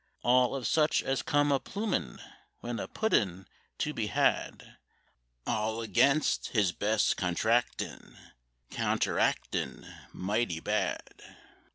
All of such as come a plummin' when a puddin's to be had; All against his best contractin' counteractin' mighty bad.